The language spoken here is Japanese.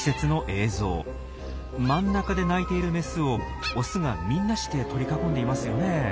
真ん中で鳴いているメスをオスがみんなして取り囲んでいますよね。